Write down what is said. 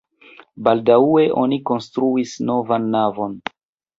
Baldaŭe oni konstruis novan navon.